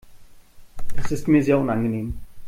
Das ist mir sehr unangenehm.